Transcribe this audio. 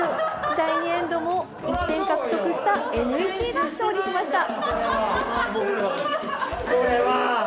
第２エンドも１点獲得したＮＥＣが勝利しました。